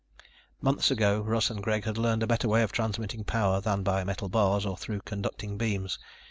Months ago Russ and Greg had learned a better way of transmitting power than by metal bars or through conducting beams.